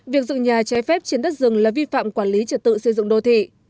việc dựng nhà trái phép trên đất rừng là vi phạm quản lý trật tự xây dựng đô thị